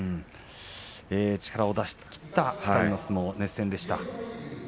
力を出し切った相撲熱戦でした。